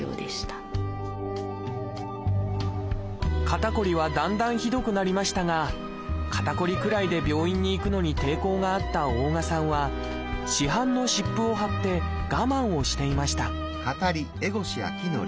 肩こりはだんだんひどくなりましたが肩こりくらいで病院に行くのに抵抗があった大我さんは市販の湿布を貼って我慢をしていました